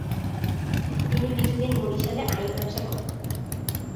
তিনি কিছুদিন বরিশালে আইন ব্যবসা করেন।